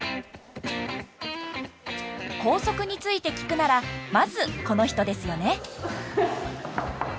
校則について聞くならまずこの人ですよね？